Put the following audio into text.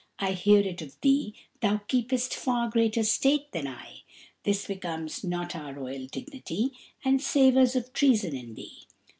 I hear it of thee, thou keepest far greater state than I. This becomes not our royal dignity, and savours of treason in thee."